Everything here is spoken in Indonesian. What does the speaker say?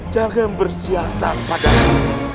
jangan bersiasan pada aku